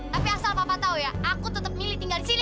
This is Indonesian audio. tapi asal papa tau ya aku tetap milih tinggal di sini